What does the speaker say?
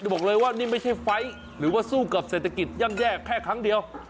บอกเลยว่านี่ไม่ใช่ไฟล์หรือว่าสู้กับเศรษฐกิจย่ำแย่แค่ครั้งเดียว